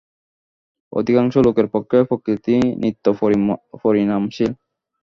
অধিকাংশ লোকের পক্ষে প্রকৃতি নিত্যপরিণামশীল।